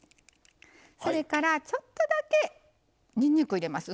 それから、ちょっとだけにんにく入れます。